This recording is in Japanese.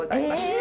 え！